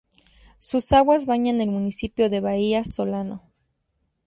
Sus aguas bañan el municipio de Bahía Solano.